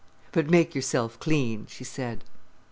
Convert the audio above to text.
"But make yourself clean," she said.